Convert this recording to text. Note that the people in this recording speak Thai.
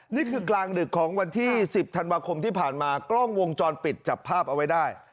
นี่คือกลางดึกของวันที่๑๐ธันวาคมที่ผ่านมากล้องวงจรปิดจับภาพเอาไว้ได้